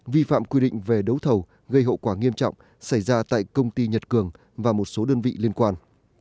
vi phạm quy định về đấu thầu gây hậu quả nghiêm trọng xảy ra tại công ty nhật cường và một số đơn vị liên quan